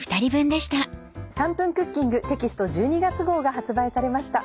『３分クッキング』テキスト１２月号が発売されました。